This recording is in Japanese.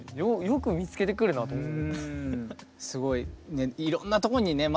よく見つけてくるなと思う。